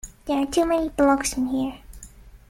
There are too many blokes in here.